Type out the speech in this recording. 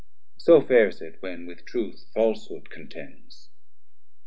So fares it when with truth falshood contends.